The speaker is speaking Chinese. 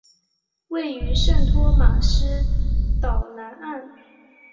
位于圣托马斯岛南岸。